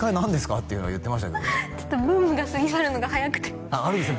っていうのは言ってましたけどちょっとブームが過ぎ去るのが早くてああるんですね